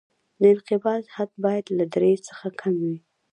د انقباض حد باید له درې څخه کم وي